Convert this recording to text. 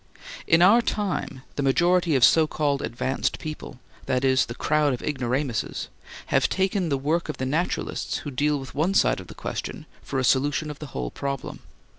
In our time the majority of so called advanced people—that is, the crowd of ignoramuses—have taken the work of the naturalists who deal with one side of the question for a solution of the whole problem.